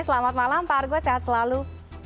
selamat malam pak argo sehat selalu